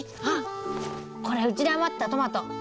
あっこれうちで余ったトマト！